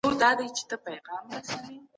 ټولنیز علوم ثابت نه دي او تل بدلیږي.